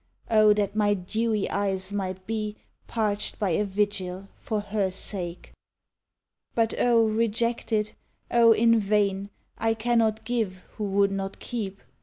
O that my dewy eyes might be Parched by a vigil for her sake! But O rejected! O in vain! I cannot give who would not keep.